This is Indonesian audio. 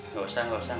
gak usah gak usah